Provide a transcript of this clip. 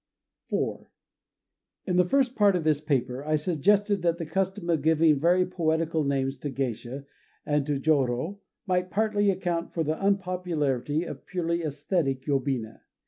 IV IN the first part of this paper I suggested that the custom of giving very poetical names to geisha and to jorô might partly account for the unpopularity of purely æsthetic yobina.